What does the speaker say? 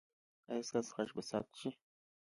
ایا ستاسو غږ به ثبت شي؟